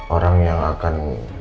orang yang akan